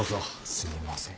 すみません。